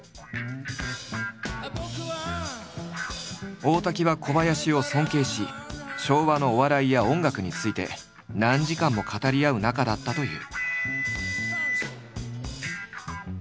大滝は小林を尊敬し昭和のお笑いや音楽について何時間も語り合う仲だったという。